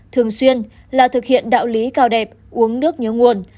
thường xuyên là thực hiện đạo lý cao đẹp uống nước nhớ nguồn